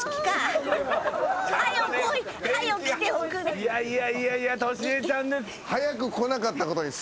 いやいやいやいやトシエちゃんです。